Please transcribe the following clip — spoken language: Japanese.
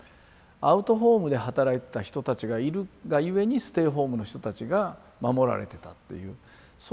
アウトホームで働いてた人たちがいるがゆえにステイホームの人たちが守られてたっていうそういう関係にすぎない。